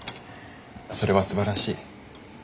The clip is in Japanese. それはすばらしい。